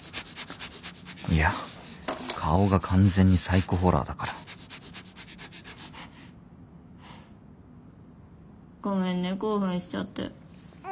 いや顔が完全にサイコホラーだからごめんね興奮しちゃって。